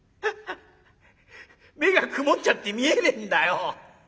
「目が曇っちゃって見えねえんだよ。